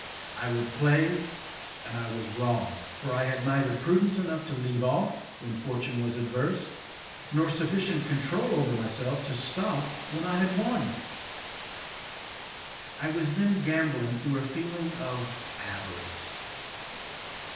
I would play, and I was wrong, for I had neither prudence enough to leave off when fortune was adverse, nor sufficient control over myself to stop when I had won. I was then gambling through a feeling of avarice.